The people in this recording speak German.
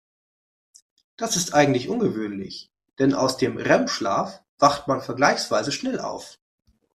Das ist eigentlich ungewöhnlich, denn aus dem REM-Schlaf wacht man vergleichsweise schnell auf.